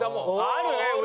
あるね上。